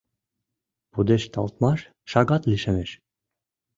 Пудешталтмаш шагат лишемеш...